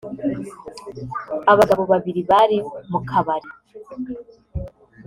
Abagabo babiri bari mu kabari